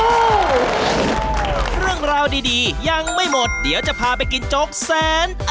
เรื่องราวดียังไม่หมดเดี๋ยวจะพาไปกินโจ๊กแสน